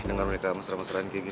dengan mereka mesra mesraan kayak gini